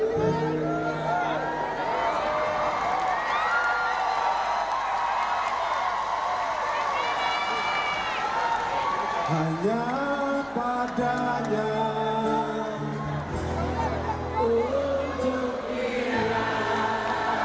hanya padanya untuk hilang